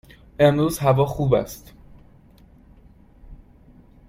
امروز هوا خوب است.